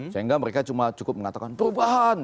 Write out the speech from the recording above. sehingga mereka cuma cukup mengatakan perubahan